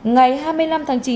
ngày hai mươi năm tháng chín